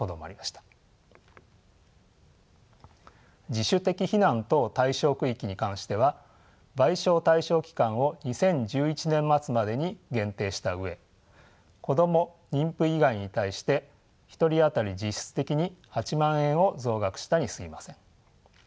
自主的避難等対象区域に関しては賠償対象期間を２０１１年末までに限定した上子ども・妊婦以外に対して１人当たり実質的に８万円を増額したにすぎません。